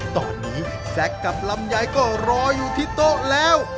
ตอนนี้แซคกับลำไยก็รออยู่ที่โต๊ะแล้ว